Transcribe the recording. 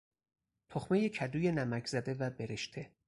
تخمه کدوی نمکزده و برشته